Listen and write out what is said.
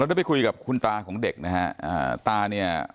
ได้ไปคุยกับคุณตาของเด็กนะฮะอ่าตาเนี่ย